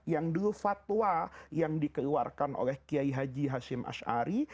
yang dulu fatwa yang dikeluarkan oleh qiyai haji hashim ash'ari